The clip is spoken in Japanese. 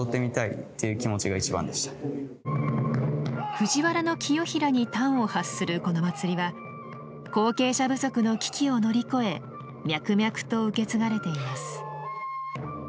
藤原清衡に端を発するこの祭りは後継者不足の危機を乗り越え脈々と受け継がれています。